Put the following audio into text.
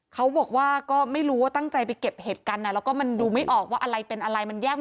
เค้าบอกว่าก็ไม่รู้ตั้งใจไปเก็บเห็ดกันเลย